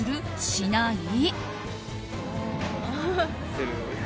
しない？